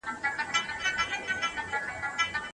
د پرمختګ حق یوازي مستحقو خلګو ته نه سي ورکول کېدلای.